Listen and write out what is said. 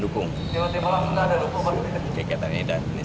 kita akan mendukung